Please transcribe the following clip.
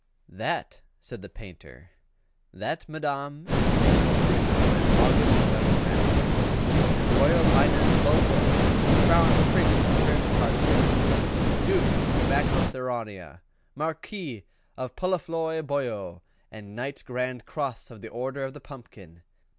"That," said the Painter, "that, madam, is the portrait of my august young master, his Royal Highness Bulbo, Crown Prince of Crim Tartary, Duke of Acroceraunia, Marquis of Poluphloisboio, and Knight Grand Cross of the Order of the Pumpkin.